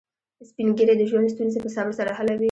سپین ږیری د ژوند ستونزې په صبر سره حلوي